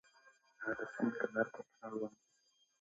دا درسونه د کندهار پوهنتون اړوند دي.